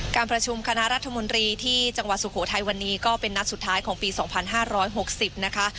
การประชุมคณะรัฐมนตรีที่จังหวัดสุโขทัยวันนี้ก็เป็นนัดสุดท้ายของปีสองพันห้าร้อยหกสิบนะคะ